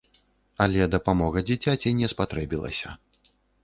Але дапамога дзіцяці не спатрэбілася.